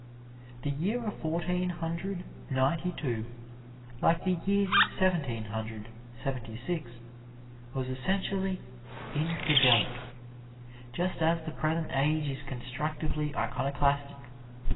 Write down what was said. The year of Fourteen Hundred Ninety two, like the year Seventeen Hundred Seventy six, was essentially "infidelic," just as the present age is constructively iconoclastic.